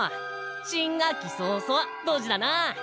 新学期早々ドジだなあ。